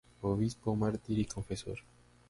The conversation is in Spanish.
Obispo, mártir y confesor.